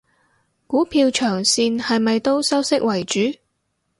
股票長線係咪都收息為主？